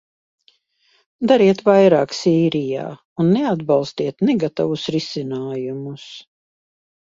Dariet vairāk Sīrijā un neatbalstiet negatavus risinājumus.